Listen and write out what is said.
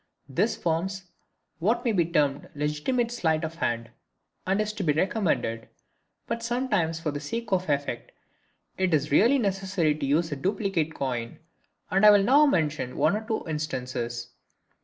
This forms what may be termed legitimate sleight of hand, and is to be recommended; but sometimes for the sake of effect it is really necessary to use a duplicate coin, and I will now mention one or two instances.